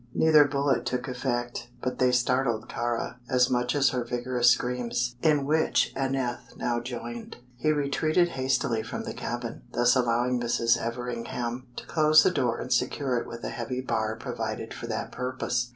Neither bullet took effect, but they startled Kāra as much as her vigorous screams, in which Aneth now joined. He retreated hastily from the cabin, thus allowing Mrs. Everingham to close the door and secure it with a heavy bar provided for that purpose.